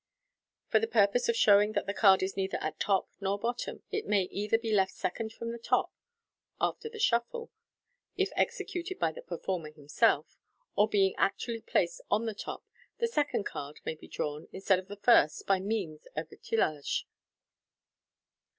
(For the purpose of showing that the card is neither at top nor bottom, it may either be left second from the top after the shuffle, if executed by the performer himself, or being actually placed on the top, the second card may be drawn instead of the first by means of ajlage.)